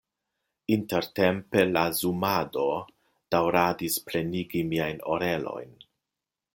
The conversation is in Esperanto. Intertempe la zumado daŭradis plenigi miajn orelojn.